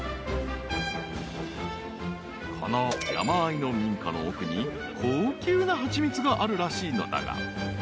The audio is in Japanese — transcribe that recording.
［この山あいの民家の奥に高級な蜂蜜があるらしいのだが］